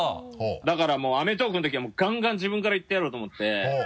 だから「アメトーーク！」の時はもうガンガン自分から行ってやろうと思って。